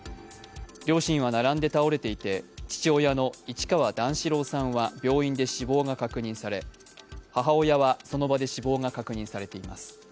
両親は並んで倒れていて父親の市川段四郎さんは病院で死亡が確認され母親はその場で死亡が確認されています。